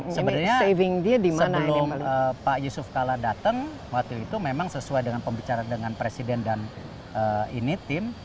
sebenarnya sebelum pak yusuf kalla datang waktu itu memang sesuai dengan pembicaraan dengan presiden dan ini tim